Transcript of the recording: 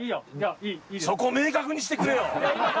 そこ明確にしてくれよ！